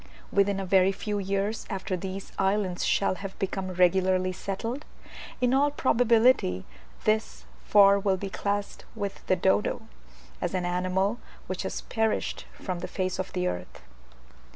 Within a very few years after these islands shall have become regularly settled, in all probability this for will be classed with the dodo, as an animal which has perished from the face of the earth.